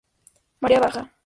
Marea baja.